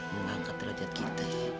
mengangkat rajad kita ya